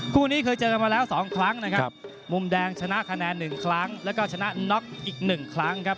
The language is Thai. คู่นี้เคยเจอกันมาแล้ว๒ครั้งนะครับมุมแดงชนะแพ้๑ครั้งแล้วก็ชนะน็อกอีก๑ครั้งครับ